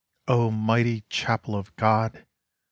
O mighty chapel of God